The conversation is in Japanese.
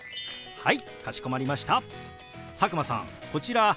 はい。